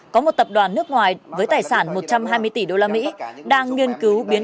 có một tập đoàn nước ngoài với tài sản một trăm hai mươi tỷ usd đang nghiên cứu biến